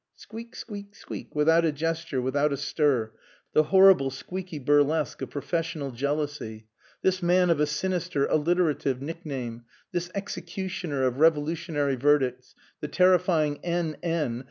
Squeak, squeak, squeak, without a gesture, without a stir the horrible squeaky burlesque of professional jealousy this man of a sinister alliterative nickname, this executioner of revolutionary verdicts, the terrifying N.N.